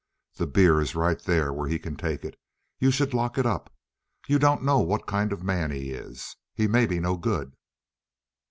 The beer is right there where he can take it. You should lock it up. You don't know what kind of a man he is. He may be no good."